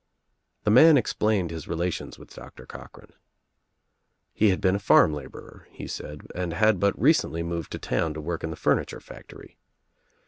The man explained his relations with Doctor Cochran. He had been a farm laborer, he said, and had but recently moved to town to work in the furniture factory.